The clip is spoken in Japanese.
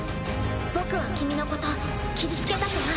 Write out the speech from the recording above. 僕は君のこと傷つけたくない。